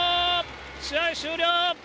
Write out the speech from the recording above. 試合終了。